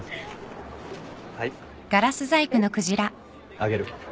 あげる。